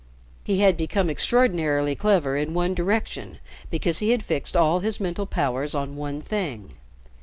He had become extraordinarily clever in one direction because he had fixed all his mental powers on one thing.